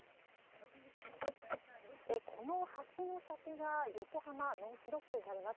この橋の先が横浜ノース・ドックになります。